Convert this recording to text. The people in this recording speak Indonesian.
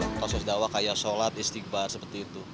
yang inspiratif lah kayak sholat istighfar seperti itu